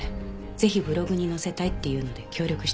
ぜひブログに載せたいって言うので協力していました。